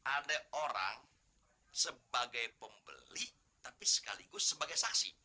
ada orang sebagai pembeli tapi sekaligus sebagai saksi